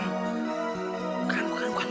bukan bukan bukan